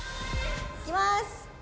いきます。